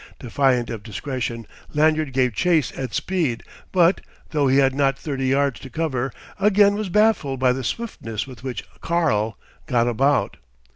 Defiant of discretion, Lanyard gave chase at speed but, though he had not thirty yards to cover, again was baffled by the swiftness with which "Karl" got about.